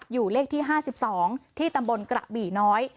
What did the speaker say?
อยู่เลขที่ห้าสิบสองที่ตำบลกระบี่น้อย